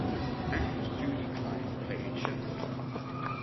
Actress Judy Cleine played Sheppard.